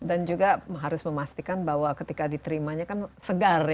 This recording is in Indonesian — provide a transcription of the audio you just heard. dan juga harus memastikan bahwa ketika diterimanya kan segar ya